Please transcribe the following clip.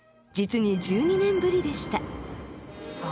実に１２年ぶりでした。